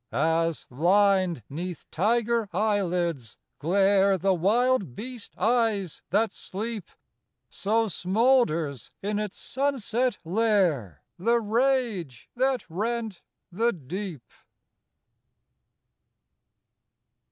As, lined 'neath tiger eyelids, glare The wild beast eyes that sleep, So smoulders in its sunset lair The rage that rent the deep.